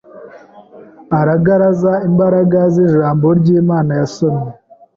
Aragaraza imbaraga z’ijambo ry’Imana yasomye.